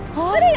oh udah yuk